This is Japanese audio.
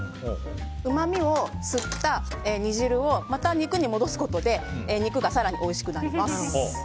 うまみを吸った煮汁をまた肉に戻すことで肉が更においしくなります。